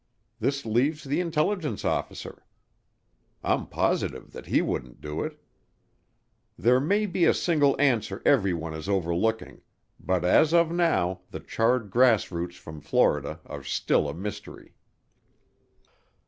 This leaves the intelligence officer; I'm positive that he wouldn't do it. There may be a single answer everyone is overlooking, but as of now the charred grass roots from Florida are still a mystery.